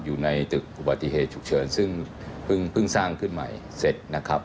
อยู่ในตึกอุบัติเหตุฉุกเฉินซึ่งเพิ่งสร้างขึ้นใหม่เสร็จนะครับ